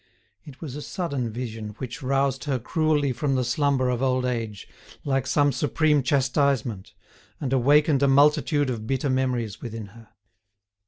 It was a sudden vision which roused her cruelly from the slumber of old age, like some supreme chastisement, and awakened a multitude of bitter memories within her.